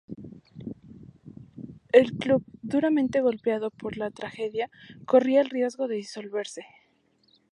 El club, duramente golpeado por la tragedia, corría el riesgo de disolverse.